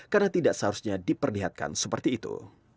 karena tidak seharusnya diperlihatkan seperti itu